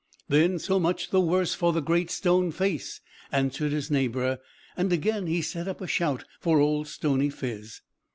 "Then so much the worse for the Great Stone Face!" answered his neighbour; and again he set up a shout for Old Stony Phiz.